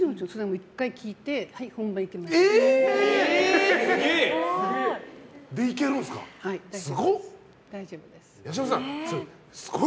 １回聴いて、本番行きます。